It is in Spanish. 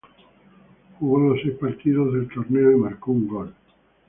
Jugó los seis partidos del torneo y marcó un gol.